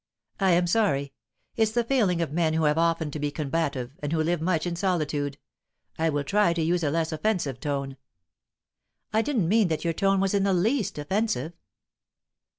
"I am sorry. It's the failing of men who have often to be combative, and who live much in solitude. I will try to use a less offensive tone." "I didn't mean that your tone was in the least offensive."